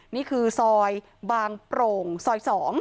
นี่คือซอยบางโปร่งซอย๒